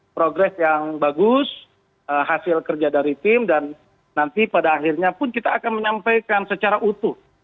progres yang bagus hasil kerja dari tim dan nanti pada akhirnya pun kita akan menyampaikan secara utuh